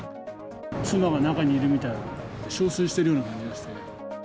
妻が中にいるみたいな、しょうすいしてるような感じですね。